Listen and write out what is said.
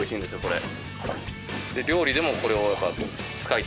これ。